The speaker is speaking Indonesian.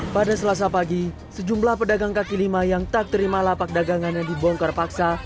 pada selasa pagi sejumlah pedagang kaki lima yang tak terima lapak dagangannya dibongkar paksa